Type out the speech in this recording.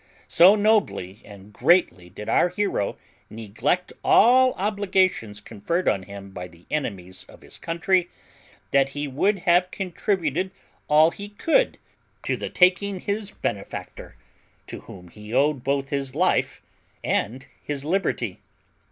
So nobly and greatly did our hero neglect all obligations conferred on him by the enemies of his country, that he would have contributed all he could to the taking his benefactor, to whom he owed both his life and his liberty.